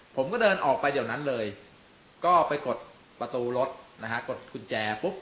ผมก็เดินออกไปเดี๋ยวนั้นเลยก็ไปกดประตูรถนะฮะกดกุญแจปุ๊บ